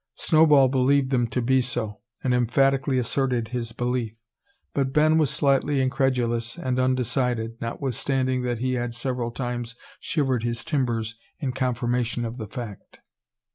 Snowball believed them to be so, and emphatically asserted his belief; but Ben was slightly incredulous and undecided, notwithstanding that he had several times "shivered his timbers" in confirmation of the fact.